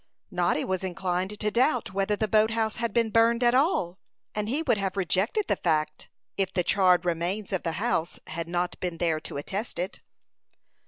Noddy was inclined to doubt whether the boat house had been burned at all; and he would have rejected the fact, if the charred remains of the house had not been there to attest it.